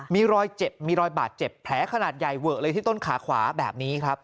มีรอยเจ็บมีรอยบาดเจ็บแผลขนาดใหญ่เวอะเลยที่ต้นขาขวาแบบนี้ครับ